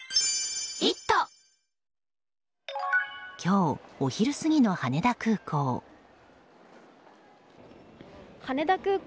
今日、お昼過ぎの羽田空港。